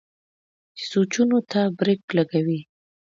چې سوچونو ته برېک لګوي